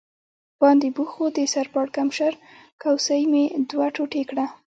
باندې بوخت و، د سر پړکمشر کوسۍ مې دوه ټوټې کړه.